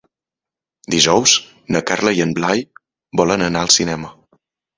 Dijous na Carla i en Blai volen anar al cinema.